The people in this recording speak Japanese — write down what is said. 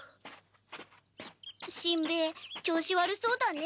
しんべヱ調子悪そうだね。